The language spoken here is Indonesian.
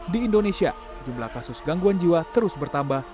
di indonesia jumlah kasus gangguan jiwa terus bertambah